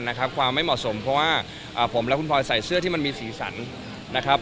ความไม่เหมาะสมเพราะว่าผมและคุณพลอยใส่เสื้อที่มันมีสีสันนะครับ